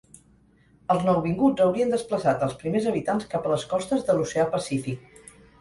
Els nouvinguts haurien desplaçat als primers habitants cap a les costes de l'Oceà Pacífic.